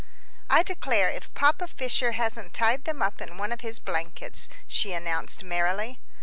"I declare if Papa Fisher hasn't tied them up in one of the blankets," she announced merrily.